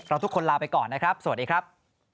ทุกคนลาไปก่อนนะครับสวัสดีครับ